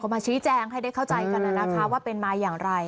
มาชี้แจงให้ได้เข้าใจกันนะคะว่าเป็นมาอย่างไร